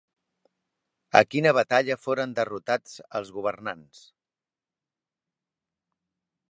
A quina batalla foren derrotats els governants?